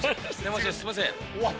すみません。